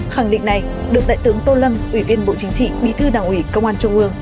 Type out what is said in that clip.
khẳng định này được đại tướng tô lâm ủy viên bộ chính trị bí thư đảng ủy công an trung ương